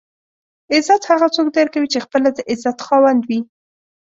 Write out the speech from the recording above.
عزت هغه څوک درکوي چې خپله د عزت خاوند وي.